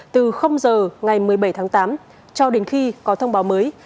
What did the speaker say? từ giờ ngày một mươi bảy tháng tám cho đến khi có thông báo mới